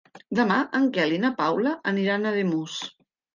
Demà en Quel i na Paula aniran a Ademús.